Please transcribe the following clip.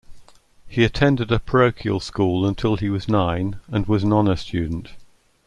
He attended a parochial school until he was nine and was an honor student.